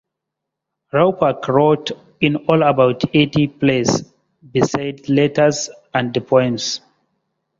Raupach wrote in all about eighty plays, besides letters and poems.